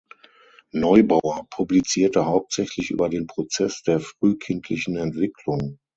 Neubauer publizierte hauptsächlich über den Prozess der frühkindlichen Entwicklung.